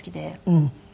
うん。